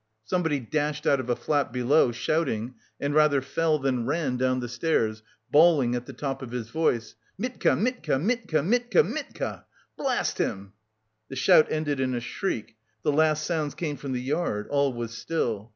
Somebody dashed out of a flat below, shouting, and rather fell than ran down the stairs, bawling at the top of his voice. "Mitka! Mitka! Mitka! Mitka! Mitka! Blast him!" The shout ended in a shriek; the last sounds came from the yard; all was still.